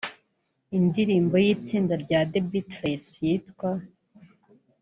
Indirimbo y’itsinda rya The Beatles yitwa